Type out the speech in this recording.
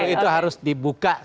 itu harus dibuka